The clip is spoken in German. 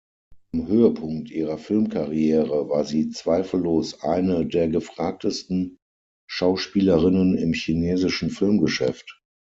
Am Höhepunkt ihrer Filmkarriere war sie zweifellos eine der gefragtesten Schauspielerinnen im chinesischen Filmgeschäft.